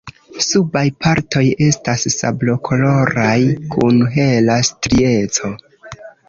Subaj partoj estas sablokoloraj kun hela strieco.